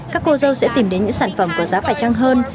các cô dâu sẽ tìm đến những sản phẩm có giá phải trăng hơn